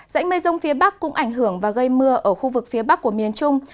dãnh mây rông phía bắc cũng ảnh hưởng và gây mưa ở khu vực phía bắc của miền trung